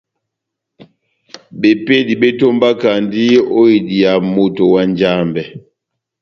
Bepédi bétómbakandi ó idiya moto na Njambɛ.